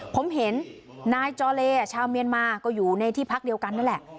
ผมเห็นนายจอเลชาวเมียนมาก็อยู่ในที่พักเดียวกันนั่นแหละ